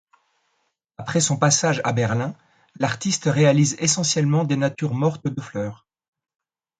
Après son passage à Berlin, l’artiste réalise essentiellement des natures mortes de fleurs.